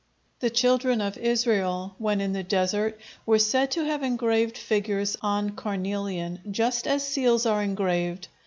The children of Israel, when in the desert, were said to have engraved figures on carnelian, "just as seals are engraved."